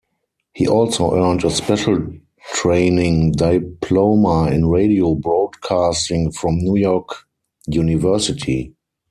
He also earned a special training diploma in radio broadcasting from New York University.